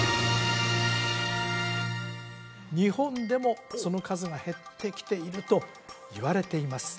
日本でもその数が減ってきているといわれています